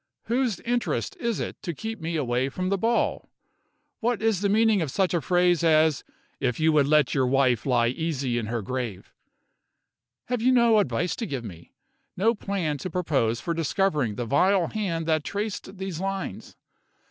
Whose interest is it to keep me away from the ball? What is the meaning of such a phrase as, 'If you would let your wife lie easy in her grave'? Have you no advice to give me no plan to propose for discovering the vile hand that traced these lines?